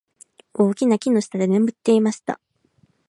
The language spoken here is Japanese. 大きな木の下で眠っていました。